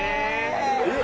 えっ！